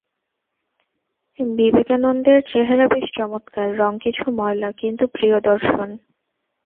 বিবে কানোন্দের চেহারা বেশ চমৎকার, রঙ কিছু ময়লা, কিন্তু প্রিয়দর্শন।